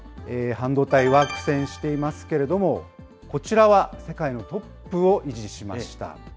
半導体は苦戦していますけれども、こちらは世界のトップを維持しました。